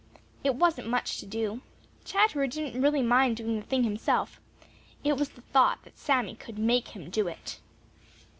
It wasn't much to do. Chatterer really didn't mind doing the thing itself; it was the thought that Sammy could make him do it.